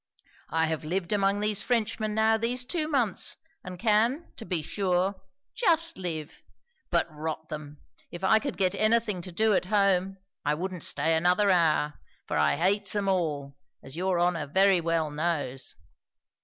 I have lived among these Frenchmen now these two months, and can, to be sure, just live; but rot 'em, if I could get any thing to do at home, I wouldn't stay another hour, for I hates 'em all, as your honour very well knows.